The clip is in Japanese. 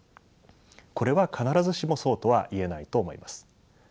これは必ずしもそうとは言えないと思います。